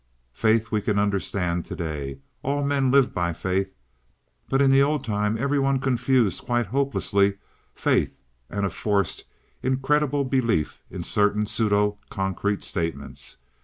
Faith we can understand to day, all men live by faith, but in the old time every one confused quite hopelessly Faith and a forced, incredible Belief in certain pseudo concrete statements.